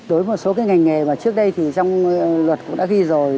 đối với một số cái ngành nghề mà trước đây thì trong luật cũng đã ghi rồi